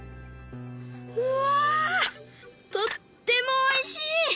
うわとってもおいしい！